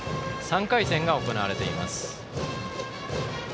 ３回戦が行われています。